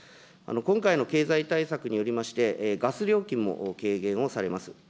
今回の経済対策によりまして、ガス料金も軽減をされます。